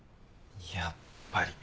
やっぱり。